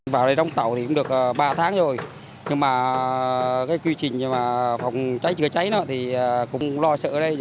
vào đây đông tàu thì cũng được ba tháng rồi nhưng mà cái quy trình phòng cháy chữa cháy thì cũng lo sợ đây